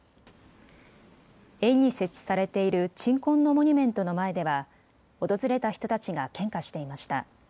園に設置されている鎮魂のモニュメントの前では訪れた人たちが献花していました。